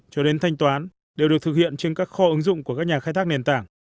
cho đến thanh toán đều được thực hiện trên các kho ứng dụng của các nhà khai thác nền tảng